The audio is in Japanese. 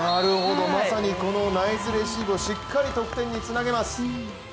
まさにこのナイスレシーブをしっかり得点につなげます。